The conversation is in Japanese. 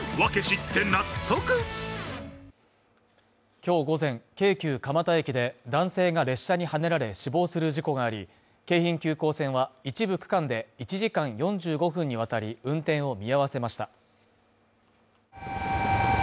今日午前、京急蒲田駅で男性が列車にはねられ死亡する事故があり、京浜急行線は一部区間で１時間４５分にわたり運転を見合わせました。